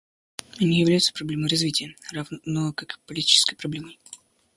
Они являются проблемой развития, равно как политической проблемой».